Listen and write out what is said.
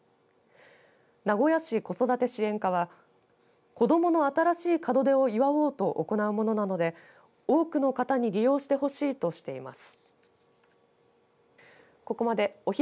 名古屋市子育て支援課は子どもの新しい門出を祝おうと行うものなので多くの方に利用してほしいとしています。